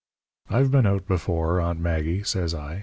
"'I've been out before, Aunt Maggie,' says I.